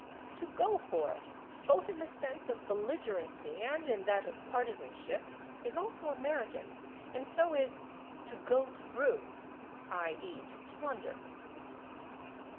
/To go for/, both in the sense of belligerency and in that of partisanship, is also American, and so is /to go through/ (/i. e./, to plunder).